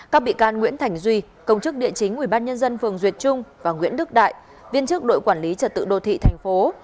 các bị can nguyễn thành duy công chức địa chính ủy ban nhân dân phường duyệt trung và nguyễn đức đại viên chức đội quản lý trật tự đô thị thành phố